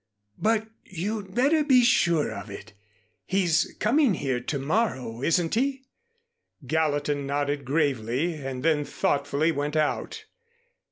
"But you'd better be sure of it. He's coming here to morrow, isn't he?" Gallatin nodded gravely, and then thoughtfully went out.